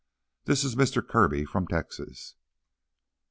"This is Mister Kirby, from Texas."